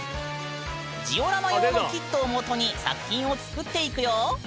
ジオラマ用のキットを基に作品を作っていくよ！